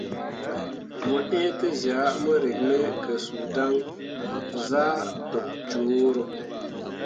Mo ĩĩ tezyah mo rǝk me ke suu dan zah tok cuuro.